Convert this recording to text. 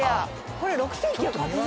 これ６，９８０円だ。